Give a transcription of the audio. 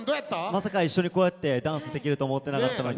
まさか一緒にこうやってダンスできると思ってなかったので。